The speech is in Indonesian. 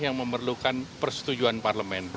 yang memerlukan persetujuan parlemen